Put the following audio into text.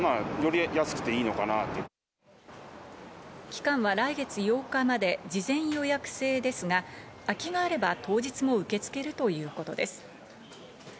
期間は来月８日まで、事前予約制ですが、空きがあれば当日も受け付けるということです。